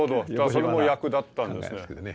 それも役立ったんですね。